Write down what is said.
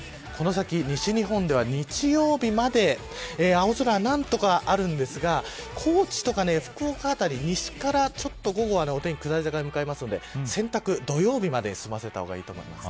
この先、西日本では日曜日まで青空、何とかあるんですが高知とか福岡辺り西から、ちょっと午後お天気が下り坂に向かいますので洗濯、土曜日までに済ませた方がいいです。